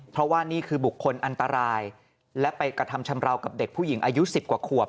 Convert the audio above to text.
เพราะว่านี่คือบุคคลอันตรายและไปกระทำชำราวกับเด็กผู้หญิงอายุ๑๐กว่าขวบ